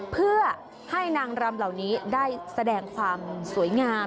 เพื่อให้นางรำเหล่านี้ได้แสดงความสวยงาม